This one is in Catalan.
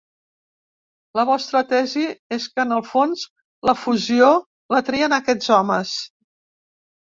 La vostra tesi és que en el fons la fusió la trien aquests homes.